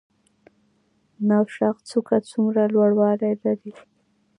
نوشاخ څوکه څومره لوړوالی لري؟